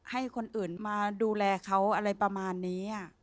ให้คนอื่นมาดูแลเขาอะไรประมาณนี้